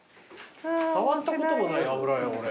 触ったこともない油絵俺。